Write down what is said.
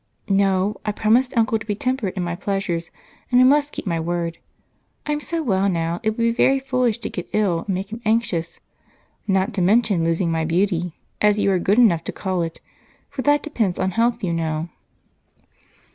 "No I promised Uncle to be temperate in my pleasures and I must keep my word. I'm so well now, it would be very foolish to get ill and make him anxious not to mention losing my beauty, as you are good enough to call it, for that depends on health, you know."